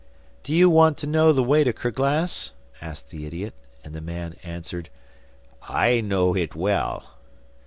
'Do you want to know the way to Kerglas?' asked the idiot, and the man answered 'I know it well.